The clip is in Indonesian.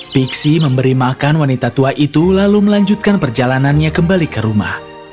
pixi memberi makan wanita tua itu lalu melanjutkan perjalanannya kembali ke rumah